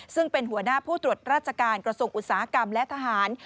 ซึ่งเป็นหัวหน้าผู้ตรวจราชการกระทรวงอุตสาหกรรมและทหาร